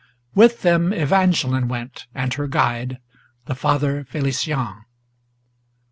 With them Evangeline went, and her guide, the Father Felician.